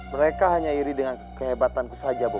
mereka hanya iri dengan kehebatanku saja bu